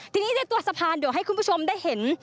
ทีนี้ในตัวสะพานเดี๋ยวให้คุณผู้ชมได้เห็น